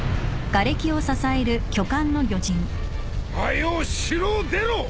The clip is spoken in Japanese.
早う城を出ろ！